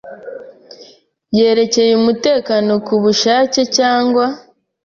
yerekeye umutekano ku bushake cyangwa